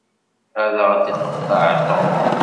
Ad aɣ-d-iqeṭṭeɛ Tom.